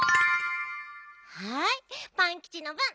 はいパンキチのぶん！